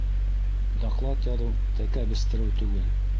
Доклад яҙыу- тәкә бестереү түгел...